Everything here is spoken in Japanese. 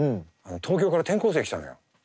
東京から転校生が来たのよ。